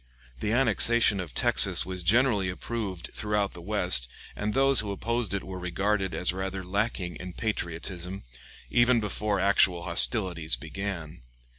The annexation of Texas was generally approved throughout the West, and those who opposed it were regarded as rather lacking in patriotism, even before actual hostilities began.